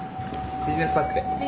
ビジネスパックで。